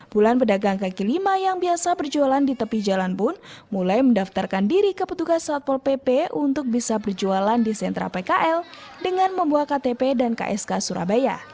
puluhan pedagang kaki lima yang biasa berjualan di tepi jalan pun mulai mendaftarkan diri ke petugas satpol pp untuk bisa berjualan di sentra pkl dengan membuat ktp dan ksk surabaya